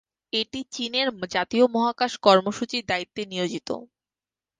এটি চীনের জাতীয় মহাকাশ কর্মসূচির দায়িত্বে নিয়োজিত।